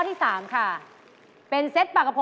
อ๋อนี่คือร้านเดียวกันเหรออ๋อนี่คือร้านเดียวกันเหรอ